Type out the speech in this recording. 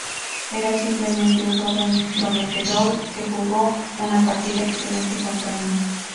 Era simplemente un joven prometedor que jugó una partida excelente contra mí.